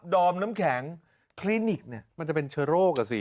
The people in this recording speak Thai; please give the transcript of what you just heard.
อมน้ำแข็งคลินิกเนี่ยมันจะเป็นเชื้อโรคอ่ะสิ